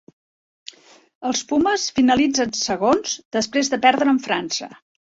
Els Pumes finalitzen segons, després de perdre amb França.